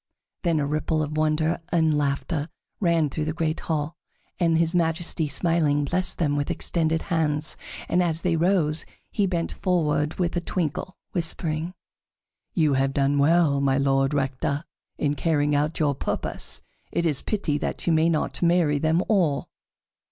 Then a ripple of wonder and of laughter ran through the great hall, and his Majesty, smiling, blessed them with extended hands, and as they rose, he bent forward with a twinkle, whispering: "You have done well, My Lord Rector, in carrying out your purpose. It is pity that you may not marry them all."